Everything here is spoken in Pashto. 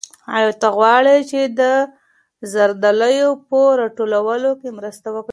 آیا ته غواړې چې د زردالیو په راټولولو کې مرسته وکړې؟